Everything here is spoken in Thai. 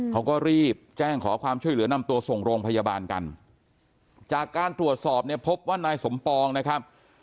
เขาก็รีบแจ้งขอความช่วยเหลือนำตัวส่งโรงพยาบาลกันจากการตรวจสอบเนี่ยพบว่านายสมปองนะครับ